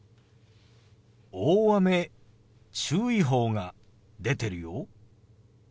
大雨注意報が出てるよ。